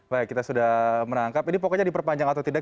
baik kita sudah menangkap ini pokoknya diperpanjang atau tidak